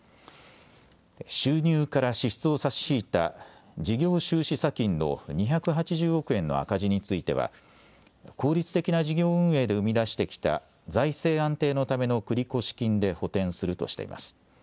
収入から支出を差し引いた事業収支差金の２８０億円の赤字については効率的な事業運営で生み出してきた財政安定のための繰越金で補填するとしています。